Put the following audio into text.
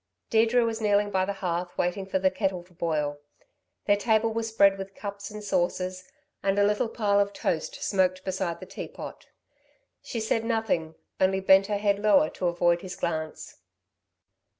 Deirdre was kneeling by the hearth waiting for the kettle to boil. Their table was spread with cups and saucers and a little pile of toast smoked beside the teapot. She said nothing, only bent her head lower to avoid his glance.